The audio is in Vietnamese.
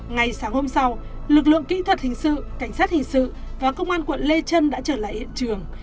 ngày sáng hôm sau lực lượng kỹ thuật hình sự cảnh sát hình sự và công an quận lê trân đã trở lại hiện trường